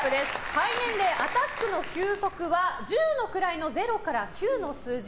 肺年齢、アタックの球速は十の位の０から９の数字。